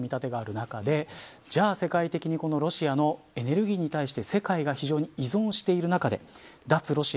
そういった一つの見立てがある中で世界的にこのロシアのエネルギーに対して世界が非常に依存している中で脱